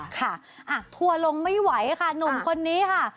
ค่ะทัวร์ลงไม่ไหวค่ะหนุ่มคนนี้ค่ะ